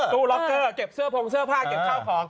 ล็อกเกอร์เก็บเสื้อพงเสื้อผ้าเก็บข้าวของ